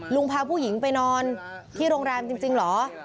พาผู้หญิงไปนอนที่โรงแรมจริงเหรอ